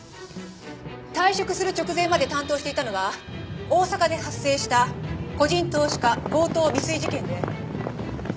退職する直前まで担当していたのは大阪で発生した個人投資家強盗未遂事件で。